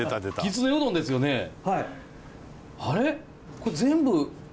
これ全部。